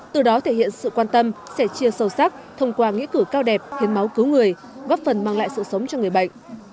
từ đó thể hiện sự quan tâm sẻ chia sâu sắc thông qua nghĩa cử cao đẹp hiến máu cứu người góp phần mang lại sự sống cho người bệnh